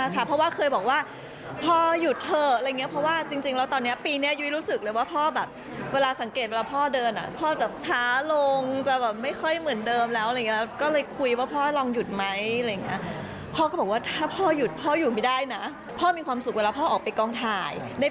คือการทำงานของพ่อรองก็เป็นอีกวิธีคลายเครียด